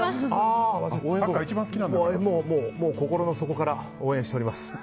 もう心の底から応援しております。